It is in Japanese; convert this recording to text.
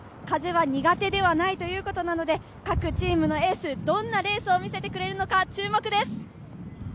風は苦手ではないということなので、各チームのエース、どんなレースを見せてくれるのか、注目です。